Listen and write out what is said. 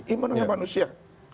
ini menurut manusia